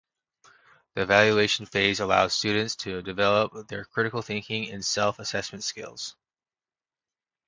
The evaluation phase allows students to develop their critical thinking and self-assessment skills.